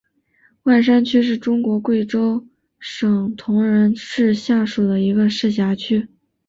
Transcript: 万山区是中国贵州省铜仁市下属的一个市辖区。